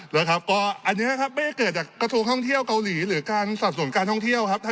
นะครับก็อันนี้นะครับไม่ได้เกิดจากกระทรวงท่องเที่ยวเกาหลีหรือการสับสนการท่องเที่ยวครับ